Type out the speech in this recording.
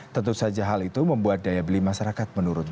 tentu saja hal itu membuat daya beli masyarakat menurun